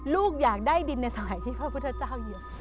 ลูกอยากได้ดินในสมัยที่พระพุทธเจ้าอยู่